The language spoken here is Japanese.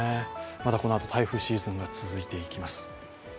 まだこのあと、台風シーズンが続いていきます。